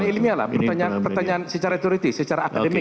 ya pertanyaan pertanyaan ilmiah lah pertanyaan secara turistis secara akademik